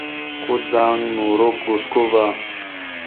Kudzaŋ noro ogusko va.